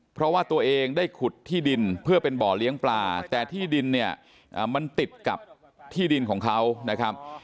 เพราะว่าตัวเองได้ขุดที่ดินเพื่อเป็นบ่อเลี้ยงปลาแต่ที่ดินเนี่ยมันติดกับที่ดินของเขานะครับ